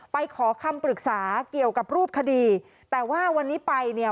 ไปขอคำปรึกษาเกี่ยวกับรูปคดีแต่ว่าวันนี้ไปเนี่ย